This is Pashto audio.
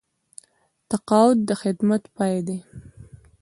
تقاعد د خدمت پای دی